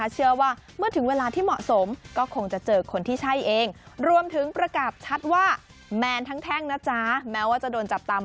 เจมส์มาเขายืนยันว่าแมนค่ะร้อยเปอร์เซ็นต์